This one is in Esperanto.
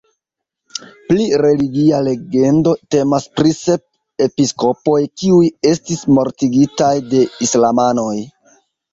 Pli religia legendo temas pri sep episkopoj kiuj estis mortigitaj de islamanoj.